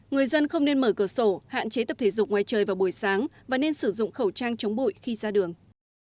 người dân không nên mở cửa sổ hạn chế tập thể dục ngoài trời vào buổi sáng và nên sử dụng khẩu trang chống bụi khi ra đường